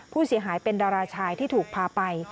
ผู้เสียหายเป็นดาราชายที่ถูกพาไป